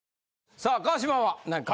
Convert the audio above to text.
さあ川島は何か？